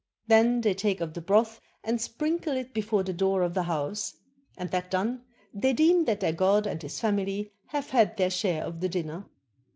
Then they take of the broth and sprinkle it before the door of the house; and that done, they deem that their god and his family have had their share of the dinner.